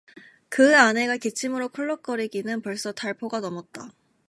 그의 아내가 기침으로 쿨럭거리기는 벌써 달포가 넘었다.